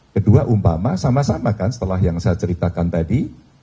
kedua umpama sama sama kan setelah yang saya ceritakan tadi